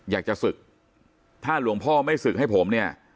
อยากจะศึกถ้าหลวงพ่อไม่ศึกให้ผมเนี่ย